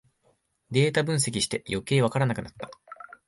データ分析してよけいわからなくなった